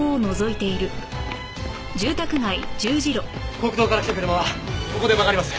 国道から来た車はここで曲がります。